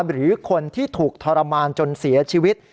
หรือคนที่ถูกทรมานจนเสียชีวิต